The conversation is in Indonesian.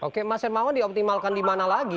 oke mas hermawan dioptimalkan di mana lagi